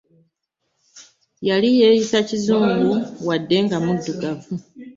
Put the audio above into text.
Yali yeeyisa kizungu wadde nga muddugavu.